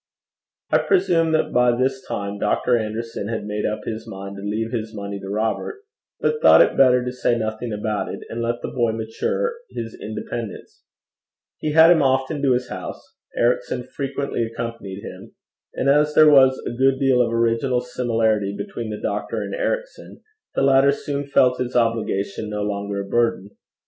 I presume that by this time Doctor Anderson had made up his mind to leave his money to Robert, but thought it better to say nothing about it, and let the boy mature his independence. He had him often to his house. Ericson frequently accompanied him; and as there was a good deal of original similarity between the doctor and Ericson, the latter soon felt his obligation no longer a burden.